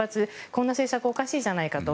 こんな政策おかしいじゃないかと。